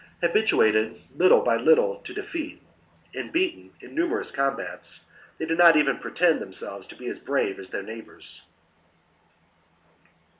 Habituated, little by little, to defeat, and beaten in numerous combats, they do not even pretend themselves to be as brave as their neighbours.